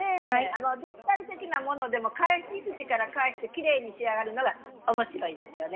立体的なものでも返し口から返してきれいに仕上がるのが面白いですよね。